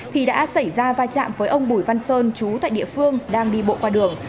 thì đã xảy ra va chạm với ông bùi văn sơn chú tại địa phương đang đi bộ qua đường